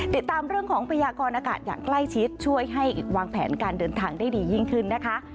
ติดตามเรื่องของพยากรอากาศอย่างใกล้ชิดช่วยให้วางแผนการเดินทางได้ดียิ่งขึ้นนะคะ